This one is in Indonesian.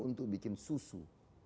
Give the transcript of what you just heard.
untuk bikin susu